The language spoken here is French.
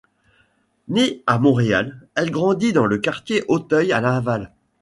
Née à Montréal, elle grandit dans le quartier Auteuil à Laval.